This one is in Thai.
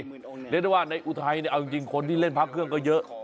เรียกได้ว่าในอุทัยเนี่ยเอาจริงคนที่เล่นพระเครื่องก็เยอะ